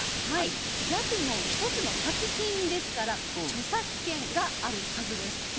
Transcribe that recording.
はいギャグも一つの作品ですから著作権があるはずです。